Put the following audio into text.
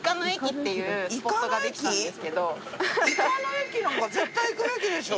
イカの駅なんか絶対行くべきでしょ。